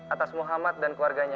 atas muhammad dan keluarganya